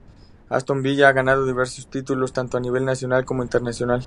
Aston Villa ha ganado diversos títulos tanto a nivel nacional como internacional.